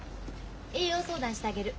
栄養相談してあげる。